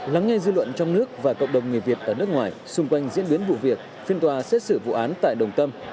lắng nghe dư luận trong nước và cộng đồng người việt ở nước ngoài xung quanh diễn biến vụ việc phiên tòa xét xử vụ án tại đồng tâm